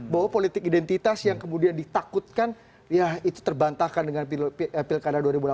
bahwa politik identitas yang kemudian ditakutkan ya itu terbantahkan dengan pilkada dua ribu delapan belas